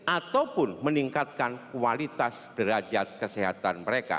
ataupun meningkatkan kualitas derajat kesehatan mereka